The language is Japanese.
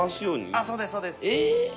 ああそうですそうですえっ